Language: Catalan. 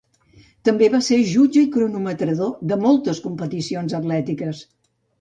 També va ser jutge i cronometrador de moltes competicions atlètiques.